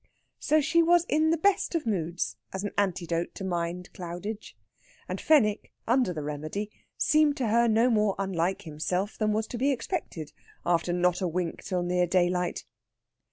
So she was in the best of moods as an antidote to mind cloudage. And Fenwick, under the remedy, seemed to her no more unlike himself than was to be expected after not a wink till near daylight.